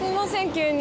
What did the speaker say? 急に。